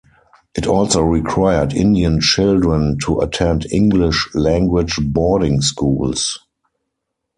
It also required Indian children to attend English-language boarding schools.